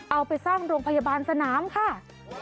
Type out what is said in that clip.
เอาไปสร้างโรงพยาบาลสนามค่ะ